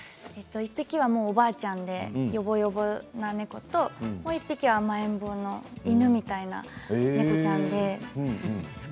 １匹はおばあちゃんでよぼよぼな猫ちゃんともう１匹は甘えん坊の犬みたいな猫ちゃんです。